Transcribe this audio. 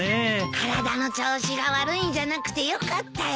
体の調子が悪いんじゃなくてよかったよ。